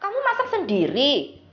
kamu masak sendiri